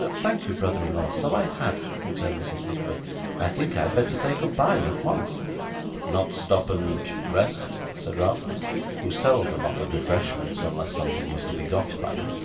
'Thank you, brother in law, so I had,' returned Mrs. Nickleby. 'I think I had better say goodbye, at once.' 'Not stop and rest?' said Ralph, who seldom offered refreshments unless something was to be got by it.